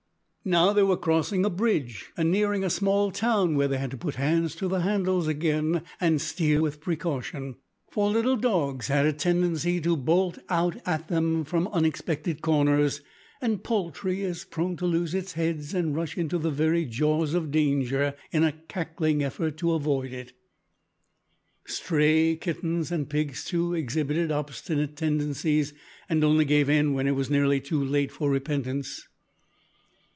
Now they were crossing a bridge and nearing a small town where they had to put hands to the handles again and steer with precaution, for little dogs had a tendency to bolt out at them from unexpected corners, and poultry is prone to lose its heads and rush into the very jaws of danger, in a cackling effort to avoid it. Stray kittens and pigs, too, exhibited obstinate tendencies, and only gave in when it was nearly too late for repentance.